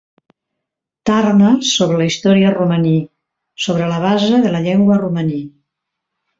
Turner sobre la història romaní sobre la base de la llengua romaní.